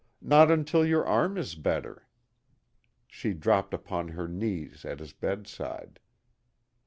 Not until your arm is better." She dropped upon her knees at his bedside.